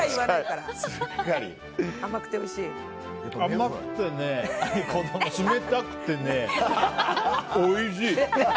甘くてね、冷たくてねおいしい！